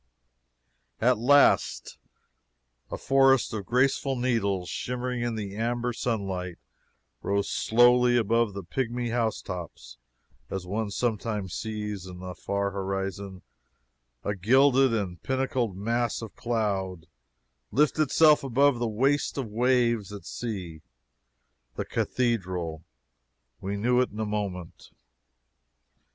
At last, a forest of graceful needles, shimmering in the amber sunlight, rose slowly above the pygmy housetops, as one sometimes sees, in the far horizon, a gilded and pinnacled mass of cloud lift itself above the waste of waves, at sea, the Cathedral! We knew it in a moment.